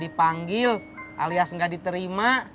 dipanggil alias gak diterima